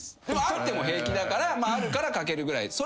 でもあっても平気だからあるからかけるぐらい。